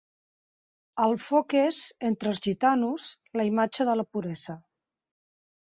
El foc és, entre els gitanos, la imatge de la puresa.